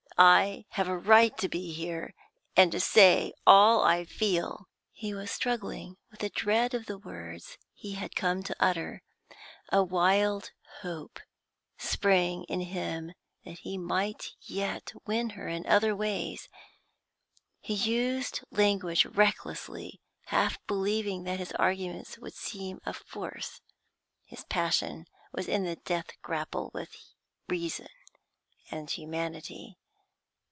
I have a right to be here and to say all I feel.' He was struggling with a dread of the words he had come to utter; a wild hope sprang in him that he might yet win her in other ways; he used language recklessly, half believing that his arguments would seem of force. His passion was in the death grapple with reason and humanity.